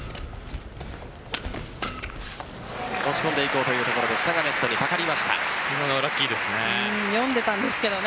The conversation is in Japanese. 押し込んでいこうというところでしたが今のはラッキーでしたね。